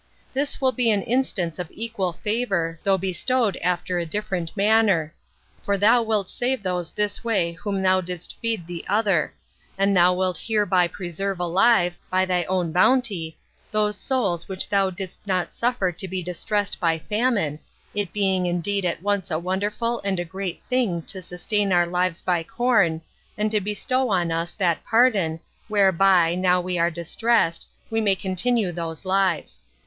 This will be an instance of equal favor, though bestowed after a different manner; for thou wilt save those this way whom thou didst feed the other; and thou wilt hereby preserve alive, by thy own bounty, those souls which thou didst not suffer to be distressed by famine, it being indeed at once a wonderful and a great thing to sustain our lives by corn, and to bestow on us that pardon, whereby, now we are distressed, we may continue those lives.